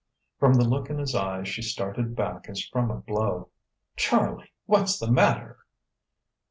From the look in his eyes she started back as from a blow. "Charlie! What's the matter?"